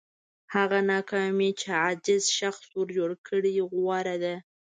هغه ناکامي چې عاجز شخص جوړ کړي غوره ده.